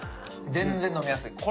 全然飲みやすい。